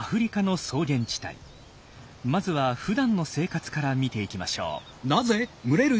まずはふだんの生活から見ていきましょう。